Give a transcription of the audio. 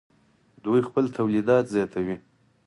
دوی خپل تولیدات زیاتوي.